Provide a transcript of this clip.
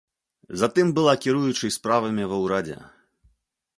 Затым была кіруючай справамі ва ўрадзе.